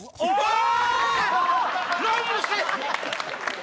あ！